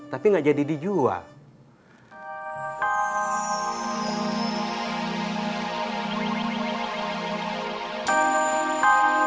tapi gak jadi dijual